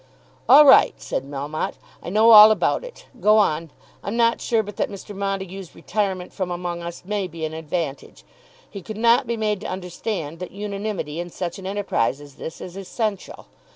"All right," said Melmotte. "I know all about it. Go on. I'm not sure but that Mr. Montague's retirement from among us may be an advantage. He could not be made to understand that unanimity in such an enterprise as this is essential.